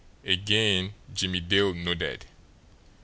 Again Jimmie Dale nodded.